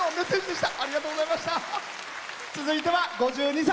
続いては５２歳。